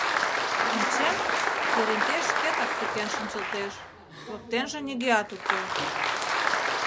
Ончем: Еренте шкетак сукен шинчылтеш, воктенже нигӧат уке.